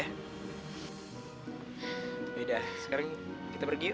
lho udah sekarang kita pergi yuk